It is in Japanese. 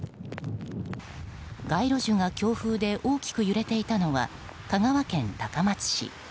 街路樹が強風で大きく揺れていたのは香川県高松市。